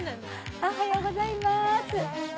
おはようございます。